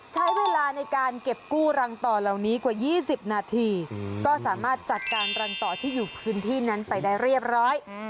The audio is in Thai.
ใช้เวลาในการเก็บกู้รังต่อเหล่านี้กว่า๒๐นาทีก็สามารถจัดการรังต่อที่อยู่พื้นที่นั้นไปได้เรียบร้อย